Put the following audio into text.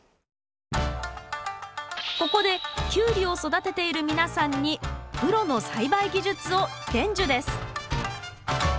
ここでキュウリを育てている皆さんにプロの栽培技術を伝授です